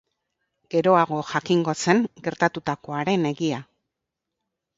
Geroago jakingo zen gertatutakoaren egia.